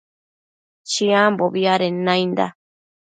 Chiambobi adenda nainda